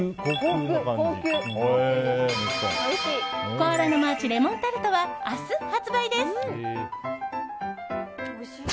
コアラのマーチレモンタルトは明日発売です。